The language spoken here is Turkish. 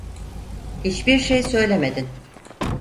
Hiçbir şey söylemedin.